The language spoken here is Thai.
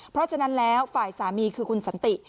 เพราะฉะนั้นแล้วฝ่ายสามีคือคุณสันติ